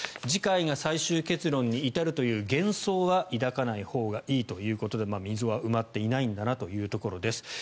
次回が最終結論に至るという幻想は抱かないほうがいいということで溝は埋まっていないんだなというところです。